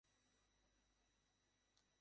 উদ্ভিদের ক্ষতস্থান পূরণ করে কোন টিস্যু?